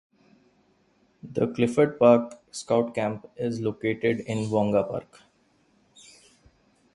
The Clifford Park Scout Camp is also located in Wonga Park.